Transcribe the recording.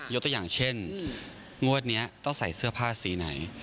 ตัวอย่างเช่นงวดนี้ต้องใส่เสื้อผ้าสีไหน